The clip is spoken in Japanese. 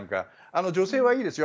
女性はいいですよ。